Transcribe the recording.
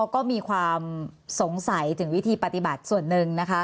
ก็มีความสงสัยถึงวิธีปฏิบัติส่วนหนึ่งนะคะ